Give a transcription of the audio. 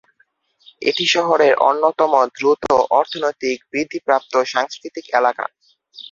এটি শহরের অন্যতম দ্রুত অর্থনৈতিক বৃদ্ধিপ্রাপ্ত সাংস্কৃতিক এলাকা।